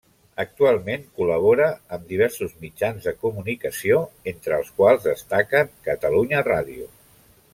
Actualment col·labora amb diversos mitjans de comunicació, entre els quals destaquen Catalunya Ràdio.